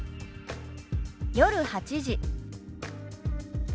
「夜８時」。